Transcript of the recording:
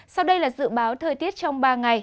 sau đây là dự báo thời tiết trong ba ngày